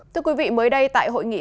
thưa quý vị mới đây tại hội nghị